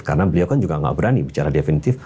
karena beliau kan juga nggak berani bicara definitif